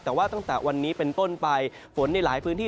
แต่ว่าตั้งแต่วันนี้เป็นต้นไปฝนในหลายพื้นที่